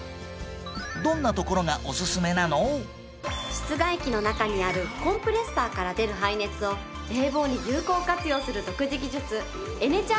室外機の中にあるコンプレッサーから出る排熱を冷房に有効活用する独自技術エネチャージシステムを採用。